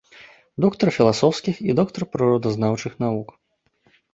Доктар філасофскіх і доктар прыродазнаўчых навук.